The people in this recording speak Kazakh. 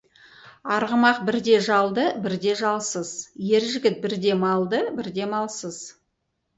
Арғымақ бірде жалды, бірде жалсыз, ер жігіт бірде малды, бірде малсыз.